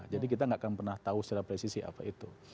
jadi kita gak akan pernah tahu secara presisi apa itu